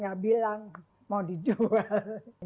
nggak bilang mau dijual